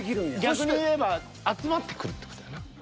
逆に言えば集まってくるって事やな？